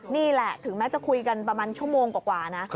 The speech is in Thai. นี่แหละถึงแม้จะคุยกันประมาณชั่วโมงกว่านะ